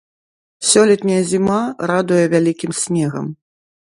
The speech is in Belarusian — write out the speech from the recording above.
Сёлетняя зіма радуе вялікім снегам.